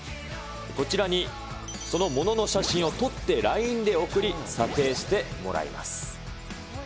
こちらにそのものの写真を撮ってＬＩＮＥで送り、査定してもらいます。